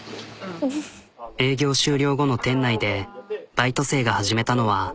営業終了後の店内でバイト生が始めたのは。